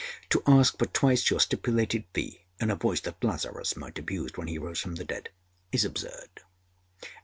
To ask for twice your stipulated fee in a voice that Lazarus might have used when he rose from the dead, is absurd.